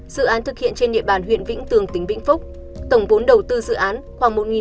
dự án thực hiện trên địa bàn huyện vĩnh tường tỉnh vĩnh phúc tổng vốn đầu tư dự án khoảng một sáu trăm sáu mươi tám tỷ đồng